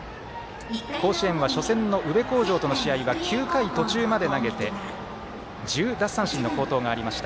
甲子園は初戦の宇部鴻城との試合は９回途中まで投げて１０奪三振の好投がありました。